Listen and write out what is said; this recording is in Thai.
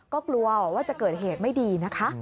ก็กลัวว่าจะเกิดเหตุไม่ดีนะคะ